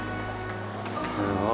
すごい。